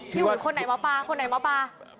อุ๋ยคนไหนหมอปลาคนไหนหมอปลา